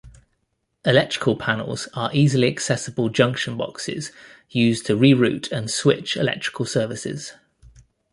Electrical panels are easily accessible junction boxes used to reroute and switch electrical services.